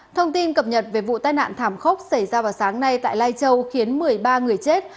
thông tin cập nhật về vụ tai nạn thảm khốc xảy ra vào sáng nay tại lai châu khiến một mươi ba người chết